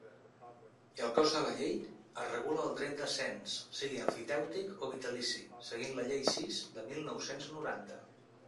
I al cos de la llei, es regula el dret de cens, sigui emfitèutic o vitalici, seguint la Llei sis de mil nou-cents noranta.